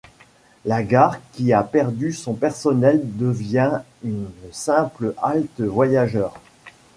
La gare qui a perdu son personnel devient une simple halte voyageurs.